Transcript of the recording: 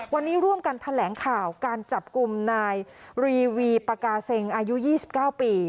วันนี้ร่วมกันแถลงข่าวการจับกลุ่มนายรีวีปากาเซ็งอายุ๒๙ปี